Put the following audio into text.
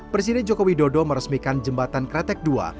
presiden jokowi dodo meresmikan jembatan kretek ii